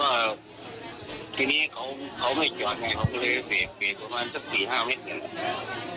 แล้วก็ทีนี้เขาไม่เจาะไงเขาก็เลยเสกไปประมาณสัก๔๕เมตรเงิน